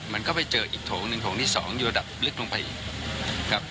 มันก็ไปเจออีกโถงหนึ่งโถงที่๒อยู่ระดับลึกลงไปอีกครับ